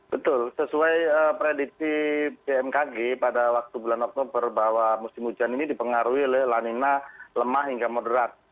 betul sesuai prediksi bmkg pada waktu bulan oktober bahwa musim hujan ini dipengaruhi oleh lanina lemah hingga moderat